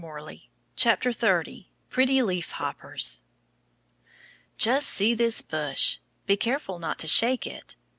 PRETTY LEAF HOPPERS Just see this bush! Be careful not to shake it.